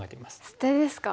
捨てですか。